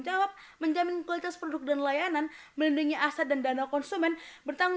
jawab menjamin kualitas produk dan layanan melindungi aset dan dana konsumen